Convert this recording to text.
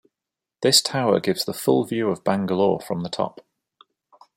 This tower gives the full view of Bangalore from the top.